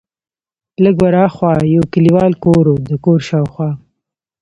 لږ ور ها خوا یو کلیوالي کور و، د کور شاوخوا.